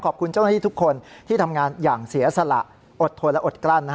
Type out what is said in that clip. ขอบคุณเจ้าหน้าที่ทุกคนที่ทำงานอย่างเสียสละอดทนและอดกลั้น